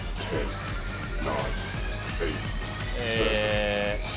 え。